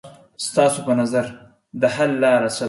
ستاسو په نظر د حل لاره څه ده؟